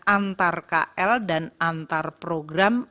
antar kl dan antar program